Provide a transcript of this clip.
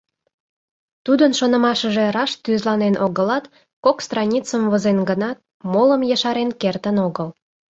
Тудын шонымашыже раш тӱзланен огылат, кок страницым возен гынат, молым ешарен кертын огыл.